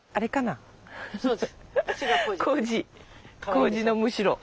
麹のむしろ。